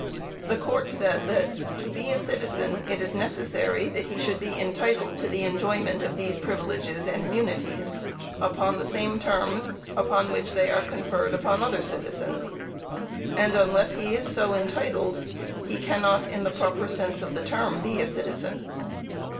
The court say that, "to be a citizen it is necessary that he should be entitled to the enjoyment of these privileges and immunities, upon the same terms upon which they are conferred upon other citizens; and unless he is so entitled, he cannot, in the proper sense of the term, be a citizen."